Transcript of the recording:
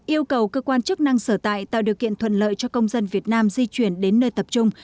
yêu cầu cơ quan chức năng sở tại tạo điều kiện thuận lợi cho công dân việt nam di chuyển đến nơi tập trung